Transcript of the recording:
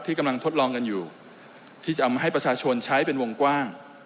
กำลังทดลองกันอยู่ที่จะเอามาให้ประชาชนใช้เป็นวงกว้าง